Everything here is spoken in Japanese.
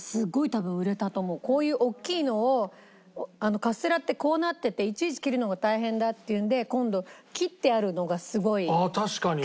こういうおっきいのをカステラってこうなってていちいち切るのが大変だっていうんで今度切ってあるのがすごい売られるようになって。